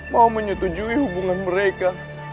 mau menyetujui hubungan mereka